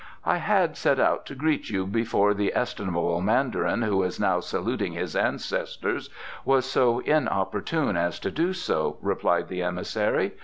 "I had set out to greet you before the estimable Mandarin who is now saluting his ancestors was so inopportune as to do so," replied the emissary.